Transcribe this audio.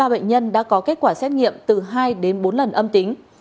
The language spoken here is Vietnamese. năm mươi ba bệnh nhân đã có kết quả xét nghiệm từ hai đến bốn lần âm tính